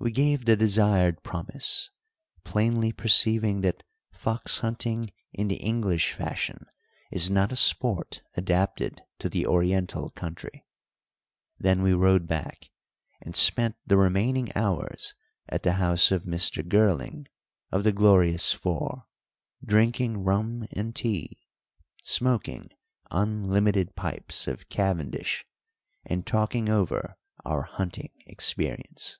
We gave the desired promise, plainly perceiving that fox hunting in the English fashion is not a sport adapted to the Oriental country. Then we rode back, and spent the remaining hours at the house of Mr. Girling, of the Glorious Four, drinking rum and tea, smoking unlimited pipes of cavendish, and talking over our hunting experience.